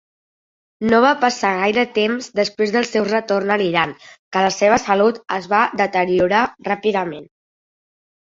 No va passar gaire temps després del seu retorn a l'Iran que la seva salut es va deteriorar ràpidament.